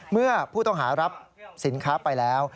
เมื่อผู้ต้องหารับสินค้าไปแล้ว